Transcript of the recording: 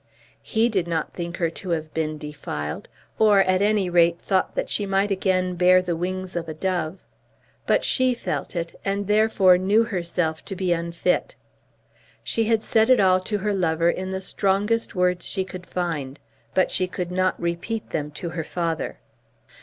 He did not think her to have been defiled, or at any rate thought that she might again bear the wings of a dove; but she felt it, and therefore knew herself to be unfit. She had said it all to her lover in the strongest words she could find, but she could not repeat them to her father.